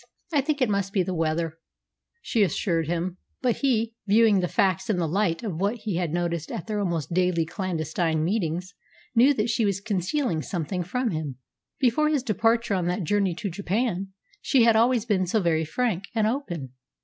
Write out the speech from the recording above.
I think it must be the weather," she assured him. But he, viewing the facts in the light of what he had noticed at their almost daily clandestine meetings, knew that she was concealing something from him. Before his departure on that journey to Japan she had always been so very frank and open.